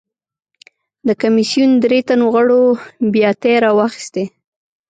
د کمېسیون درې تنو غړو بیاتۍ راواخیستې.